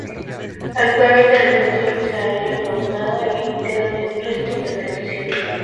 Actualmente la estación se halla levantada y no quedan restos de la estación.